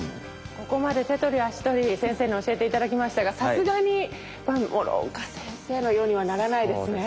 ここまで手取り足取り先生に教えて頂きましたがさすがに諸岡先生のようにはならないですね。